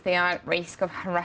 mereka berhasil menghentikan mereka